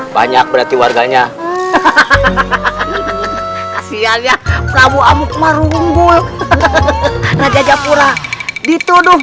banyak berarti warganya hahaha kasihan ya prabowo amukmarunggul raja japura dituduh